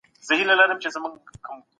موږ ډېر زده کوونکي یو.